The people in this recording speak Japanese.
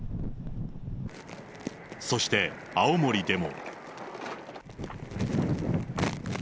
そして青森でも。